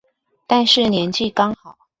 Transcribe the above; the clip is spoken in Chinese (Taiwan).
但是年紀剛好